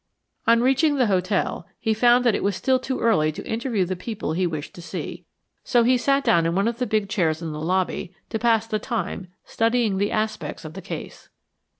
On reaching the hotel he found that it was still too early to interview the people he wished to see, so he sat down in one of the big chair in the lobby to pass the time studying the aspects of the case.